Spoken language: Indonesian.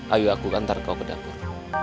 ayo aku will kantar kau ke dapur